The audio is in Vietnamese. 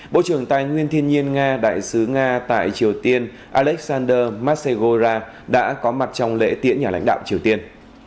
bộ trưởng tài nguyên thiên nhiên nga đại sứ nga tại triều tiên alexander masegora đã có mặt trong lễ tiễn nhà lãnh đạo triều tiên